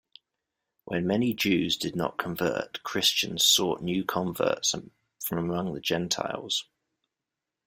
When many Jews did not convert, Christians sought new converts from among the Gentiles.